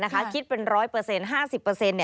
คิดเป็นร้อยเปอร์เซ็นต์ห้าสิบเปอร์เซ็นต์